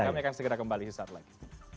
kami akan segera kembali sesaat lagi